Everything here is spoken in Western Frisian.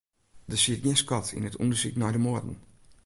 Der siet gjin skot yn it ûndersyk nei de moarden.